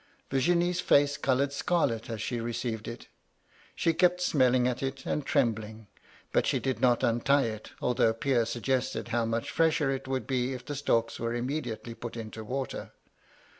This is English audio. Virginie's &ce coloured scarlet as she received it. She kept smelling at it, and trembling : but she did not untie it, although Pierre suggested how much fresher it would be if the stalks were immediately put into water.